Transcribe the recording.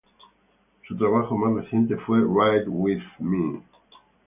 Su trabajo más reciente fue "Ride With Me!